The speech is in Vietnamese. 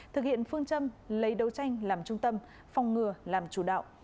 thực hiện phương châm lấy đấu tranh làm trung tâm phòng ngừa làm chủ đạo